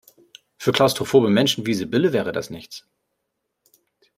Für klaustrophobe Menschen wie Sibylle wäre das nichts.